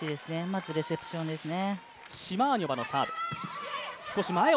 まずレセプションですね。